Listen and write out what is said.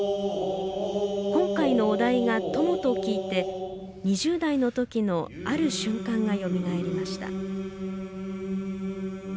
今回のお題が「友」と聞いて２０代の時のある瞬間がよみがえりました。